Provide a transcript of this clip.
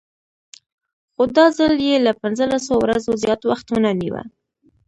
خو دا ځل یې له پنځلسو ورځو زیات وخت ونه نیوه.